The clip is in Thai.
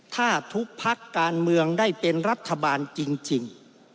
ถ้าทุกพักการเมืองได้เป็นรัฐบาลจริง